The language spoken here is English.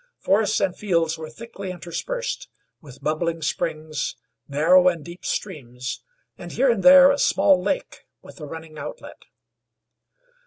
Forests and fields were thickly interspersed with bubbling springs, narrow and deep streams, and here and there a small lake with a running outlet.